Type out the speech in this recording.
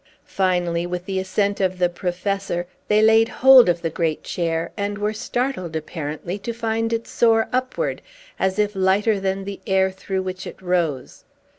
Finally, with the assent of the Professor, they laid hold of the great chair, and were startled, apparently, to find it soar upward, as if lighter than the air through which it rose.